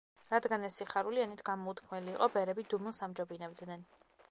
რადგან ეს სიხარული ენით გამოუთქმელი იყო, ბერები დუმილს ამჯობინებდნენ.